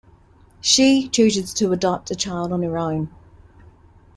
She chooses to adopt a child on her own.